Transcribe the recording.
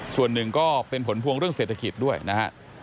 ส่วนหนึ่งก็เป็นผลพวงเรื่องเศรษฐกิจด้วยนะฮะ